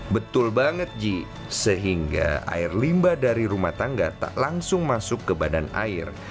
betul banget ji sehingga air limba dari rumah tangga tak langsung masuk ke badan air